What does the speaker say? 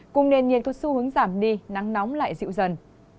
cùng nền nhiệt có xu hướng giảm đi nắng nóng lại dịu dần